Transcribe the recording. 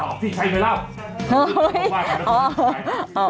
ตอบที่ใช่ไปแล้ว